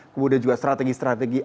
kemudian juga strategi strategi